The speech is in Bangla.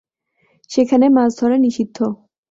সেখানে মাছ ধরা নিষিদ্ধ।